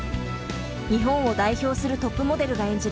日本を代表するトップモデルが演じる